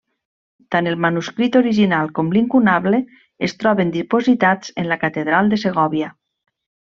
Tant el manuscrit original com l'incunable es troben dipositats en la Catedral de Segòvia.